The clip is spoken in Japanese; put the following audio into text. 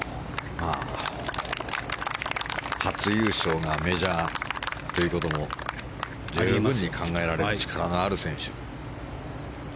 初優勝がメジャーということも十分に考えられる力のある選手。